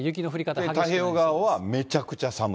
で、太平洋側はめちゃくちゃ寒い。